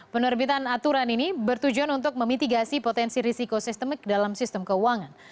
penerbitan aturan ini bertujuan untuk memitigasi potensi risiko sistemik dalam sistem keuangan